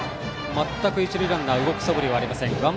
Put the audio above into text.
全く一塁ランナーは動くそぶりありません。